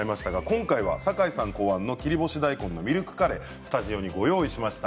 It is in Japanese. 今回はサカイさん考案の切り干し大根のミルクカレーをご用意しました。